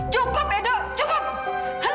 cukup edo cukup